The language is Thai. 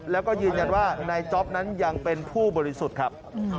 แล้วก็ยืนยันว่านายจ๊อปนั้นยังเป็นผู้บริสุทธิ์ครับ